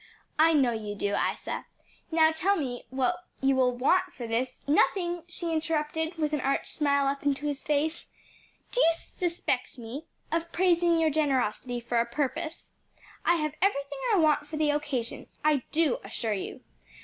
"I know you do, Isa. Now tell me what you will want for this " "Nothing," she interrupted, with an arch smile up into his face. "Do you suspect me of praising your generosity for a purpose? I have everything I want for the occasion, I do assure you.